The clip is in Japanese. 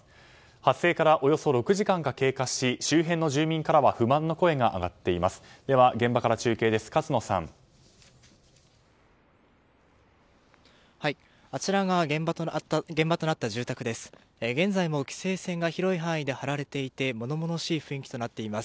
発生からおよそ６時間が経過し周辺の住民からは不安の声が上がっています。